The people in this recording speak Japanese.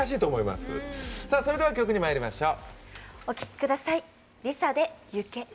それでは曲にまいりましょう。